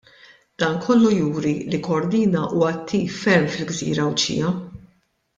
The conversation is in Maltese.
Dan kollu juri li Cordina hu attiv ferm fil-gżira Għawdxija.